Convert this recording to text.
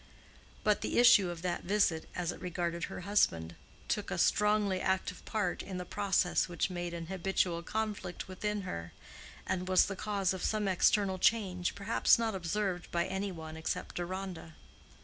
But the issue of that visit, as it regarded her husband, took a strongly active part in the process which made an habitual conflict within her, and was the cause of some external change perhaps not observed by any one except Deronda.